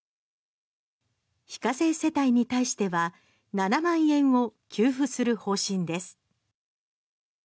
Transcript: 非課税世帯に対しては７万円を給付する方針です。